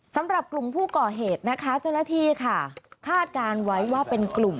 สำหรับกลุ่มผู้ก่อเหตุนะคะเจ้าหน้าที่ค่ะคาดการณ์ไว้ว่าเป็นกลุ่ม